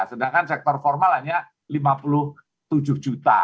sedangkan sektor formal hanya lima puluh tujuh juta